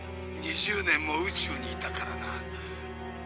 ２０年も宇宙にいたからな。